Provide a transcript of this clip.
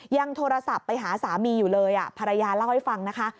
ยังโทรศัพท์ไปหาสามีอยู่เลยภรรยาเล่าให้ฟังนะคะ